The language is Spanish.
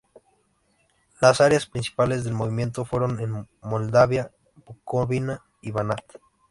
Las áreas principales del movimiento fueron en Moldavia, Bukovina, y Banat.